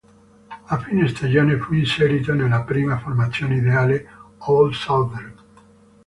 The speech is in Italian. A fine stagione fu inserito nella prima formazione ideale All-Southern.